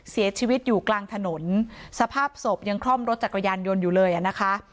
เสียชีวิตอยู่กลางถนนสภาพศพยังคล่อมรถจักรยานยนต์อยู่เลยอ่ะนะคะ